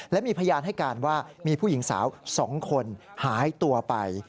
และมีพยานให้การว่ามีผู้หญิงสาว๒คนหายตัวไป